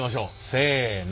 せの。